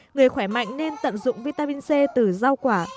người khỏe mạnh nên tận dụng vitamin c từ rau quả